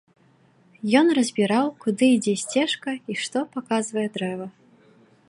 Ён разбіраў, куды ідзе сцежка і што паказвае дрэва.